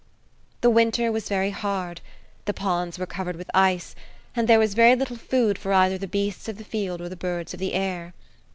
The winter was very hard; the ponds were covered with ice, and there was very little food for either the beasts of the field or the birds of the air.